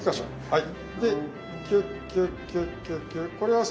はい。